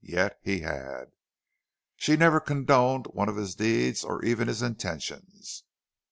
Yet he had. She never condoned one of his deeds or even his intentions.